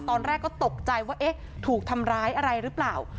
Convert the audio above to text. ตอนแรกก็ตกใจว่าเอ๊ะถูกทำร้ายอะไรหรือเปล่า